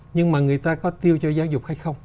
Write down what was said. nhưng mà người ta có tiêu cho giáo dục